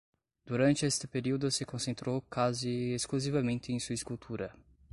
Durante este periodo se concentró casi exclusivamente en su escultura.